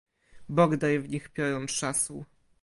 "Bogdaj w nich piorun trzasł!..."